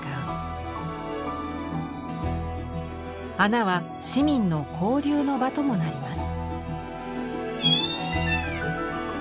孔は市民の交流の場ともなります。